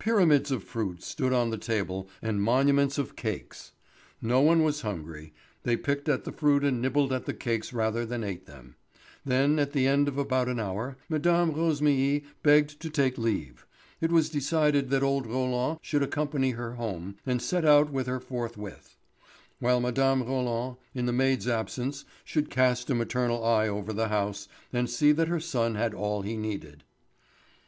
Pyramids of fruit stood on the table and monuments of cakes. No one was hungry; they picked at the fruit and nibbled at the cakes rather than ate them. Then, at the end of about an hour, Mme. Rosémilly begged to take leave. It was decided that old Roland should accompany her home and set out with her forthwith; while Mme. Roland, in the maid's absence, should cast a maternal eye over the house and see that her son had all he needed.